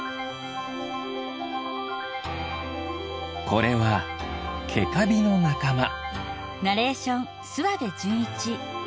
これはケカビのなかま。